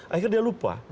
akhirnya dia lupa